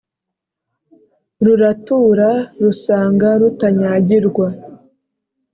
ruratura, rusanga rutanyagirwa,